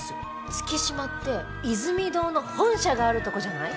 月島ってイズミ堂の本社があるとこじゃない？